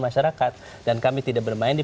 masyarakat dan kami tidak bermain di